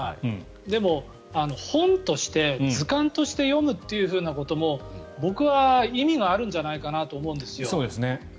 でも、本として図鑑として読むということも僕は意味があるんじゃないかなと思うんですよ。